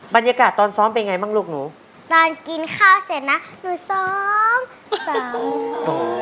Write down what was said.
บรรยากาศตอนซ้อมเป็นไงบ้างลูกหนูตอนกินข้าวเสร็จนะหนูซ้อม